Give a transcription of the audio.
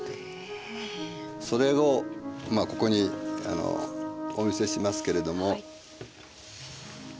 それをここにお見せしますけれども。